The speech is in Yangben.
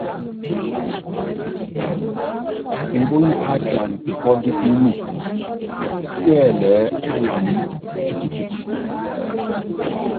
Mbúnyi ápiana pikɔ́ndɔ píni, yɛ́lɛɛ́ manyam kitikit.